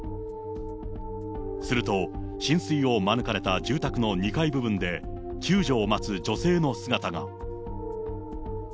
すると、浸水を免れた住宅の２階部分で、救助を待つ女性の姿が。